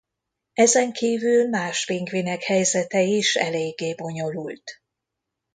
Ezen kívül más pingvinek helyzete is eléggé bonyolult.